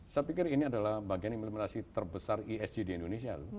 saya pikir ini adalah bagian implementasi terbesar esg di indonesia